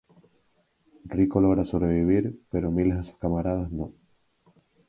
Rico logra sobrevivir pero miles de sus camaradas no.